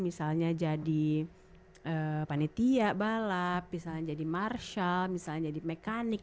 misalnya jadi panitia balap misalnya jadi marshal misalnya jadi mekanik